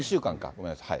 ごめんなさい。